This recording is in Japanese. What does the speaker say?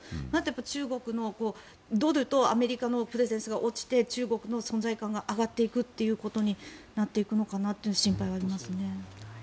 中国のドルとアメリカのプレゼンスが落ちて中国の存在感が上がっていくことになっていくのかという心配がありますね。